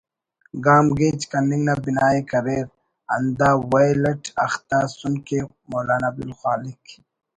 گام گیج کننگ نا بنا ءِ کریر ہندا ویل اٹ اختہ ئسن کہ مولانا عبدالخالق